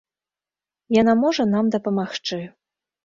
Яна можа нам дапамагчы.